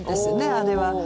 あれは。